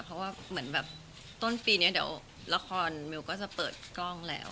เพราะว่าเหมือนแบบต้นปีนี้เดี๋ยวละครมิวก็จะเปิดกล้องแล้ว